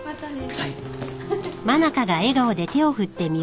はい。